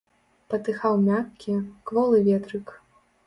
Патыхаў мяккі, кволы ветрык.